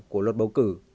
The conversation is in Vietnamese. của luật bầu cử